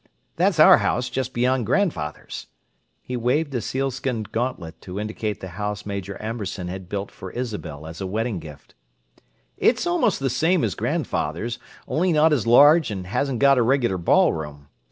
That's our house just beyond grandfather's." He waved a sealskin gauntlet to indicate the house Major Amberson had built for Isabel as a wedding gift. "It's almost the same as grandfather's, only not as large and hasn't got a regular ballroom.